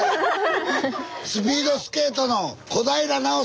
スピードスケートの小平奈緒さんです！